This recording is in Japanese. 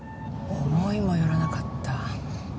思いもよらなかった。